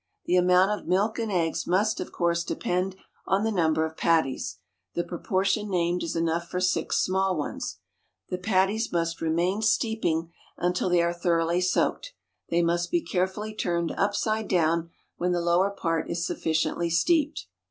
The amount of milk and eggs must of course depend on the number of patties; the proportion named is enough for six small ones. The patties must remain steeping until they are thoroughly soaked; they must be carefully turned upside down when the lower part is sufficiently steeped.